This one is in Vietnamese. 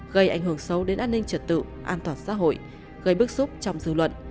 gây ảnh hưởng sâu đến an ninh trật tự an toàn xã hội gây bức xúc trong dư luận